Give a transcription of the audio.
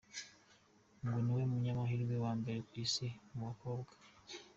Ngo niwe munyamahirwe wa mbere ku isi mu bakobwa.